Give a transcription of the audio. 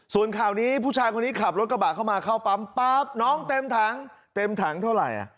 ส่วนข่าวนี้ผู้ชายคนนี้ขับรถกระบะเข้ามาเข้าปั๊มปั๊บน้องเต็มถังเต็มถังเท่าไหร่